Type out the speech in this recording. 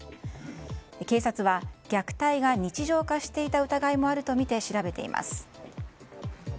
警察は虐待が日常化していた疑いもあるとみて調べています。